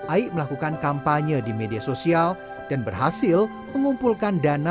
aik melakukan kampanye di media sosial dan berhasil mengumpulkan dana